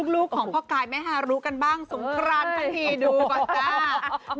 ลูกของพ่อกายแม่ฮารุกันบ้างสงครานทั้งทีดูก่อนจ้า